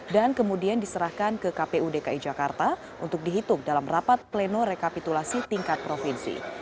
dan kemudian diserahkan ke kpu dki jakarta untuk dihitung dalam rapat pleno rekapitulasi tingkat provinsi